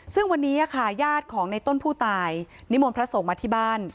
ซึ่งวันนี้ค่ะญาติของในต้นผู้ตายนิมนต์พระสงฆ์มาที่บ้าน